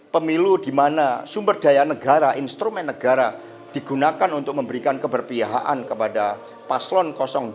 pemilu di mana sumber daya negara instrumen negara digunakan untuk memberikan keberpihakan kepada paslon dua